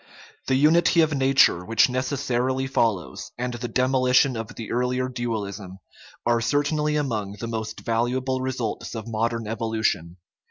The unity of nature which necessarily follows, and the demolition of the earlier dualism, are certainly among the most valuable results of modern evolution.